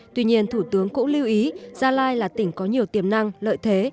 tuy nhiên thủ tướng cũng lưu ý gia lai là tỉnh có nhiều tiềm năng lợi thế